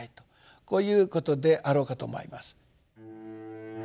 こういうことであろうかと思います。